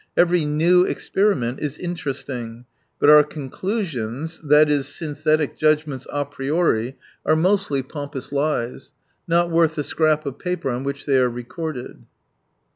Every new experiment is interesting ; but our conclusions, i.e., syntheftic judgments a priori, are mostly pompous lies, not worth the scrap of paper on which they are recorded.